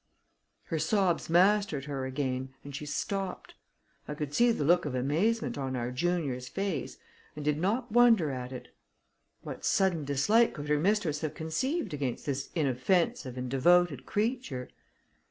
Her sobs mastered her again and she stopped. I could see the look of amazement on our junior's face, and did not wonder at it. What sudden dislike could her mistress have conceived against this inoffensive and devoted creature?